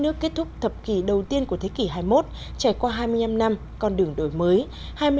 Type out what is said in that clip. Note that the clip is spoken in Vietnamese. nước kết thúc thập kỷ đầu tiên của thế kỷ hai mươi một trải qua hai mươi năm năm con đường đổi mới